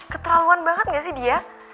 keterauan banget gak sih dia